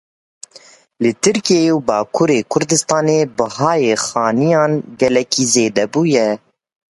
Li Tirkiye û Bakurê Kurdistanê bihayê xaniyan gelekî zêde bûye.